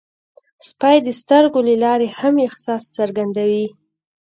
سپي د سترګو له لارې هم احساس څرګندوي.